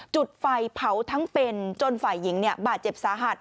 จุดไฟเผาทั้งเป็นจนฝ่ายหญิงบาดเจ็บสาหัส